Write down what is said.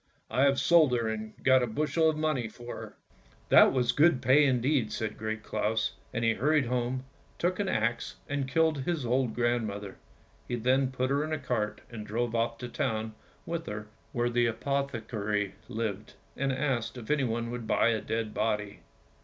" I have sold her and got a bushel of money for her! " "That was good Jpay indeed!" [said Great Claus, and he hurried home, took an axe and killed his old grand mother. He then put her in a cart and drove off to the town with her where the apothecary lived, and asked if he would buy a dead body.